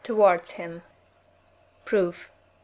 towards him. Proof.